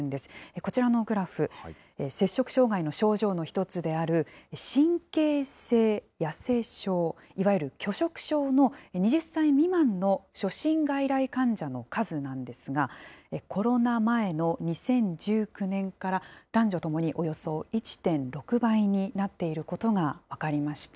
こちらのグラフ、摂食障害の症状の一つである、神経性痩せ症、いわゆる拒食症の２０歳未満の初診外来患者の数なんですが、コロナ前の２０１９年から、男女ともにおよそ１．６倍になっていることが分かりました。